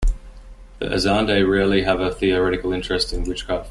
The Azande rarely have a theoretical interest in witchcraft.